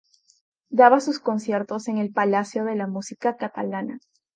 Daba sus conciertos en el Palacio de la Música Catalana.